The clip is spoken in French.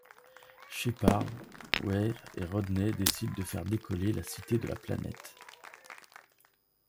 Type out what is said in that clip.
Sheppard, Weir et Rodney décident de faire décoller la cité de la planète.